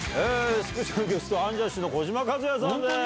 スペシャルゲストアンジャッシュの児嶋一哉さん。